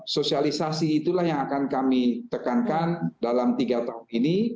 sosialisasi itulah yang akan kami tekankan dalam tiga tahun ini